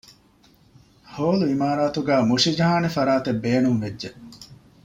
ހޯލު އިމާރާތުގައި މުށިޖަހާނެ ފަރާތެއް ބޭނުންވެއްޖެ